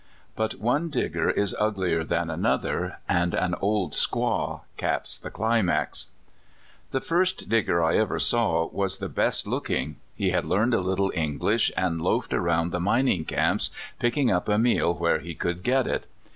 But one Digger is uglier than another, and an old squaw caps the climax. The first Diofsrer I ever saw was the best look ing. He had learned a little English, and loafed around the mining camps, picking up a meal w^here he could get it.